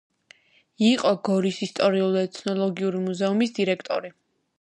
იყო გორის ისტორიულ-ეთნოგრაფიული მუზეუმის დირექტორი.